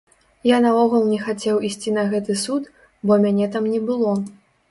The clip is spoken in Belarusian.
Я наогул не хацеў ісці на гэты суд, бо мяне там не было.